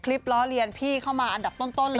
คลิปเล่าเรียนพี่เข้ามาอันดับต้นเลย